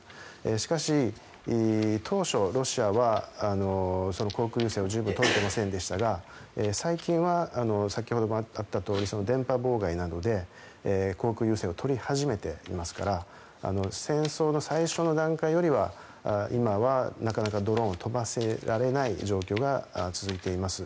しかし、当初ロシアは航空優勢を十分取っていませんでしたが最近は先ほどもあったとおり電波妨害などで航空優勢を取り始めていますから戦争の最初の段階よりは今はなかなかドローンを飛ばせられない状況が続いています。